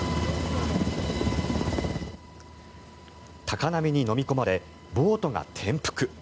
高波にのみ込まれボートが転覆。